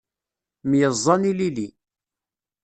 Myeẓẓan ilili.